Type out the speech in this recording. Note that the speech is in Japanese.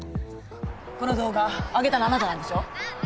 この動画あげたのあなたなんでしょ？